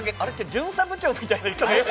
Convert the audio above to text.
巡査部長みたいな人がいる。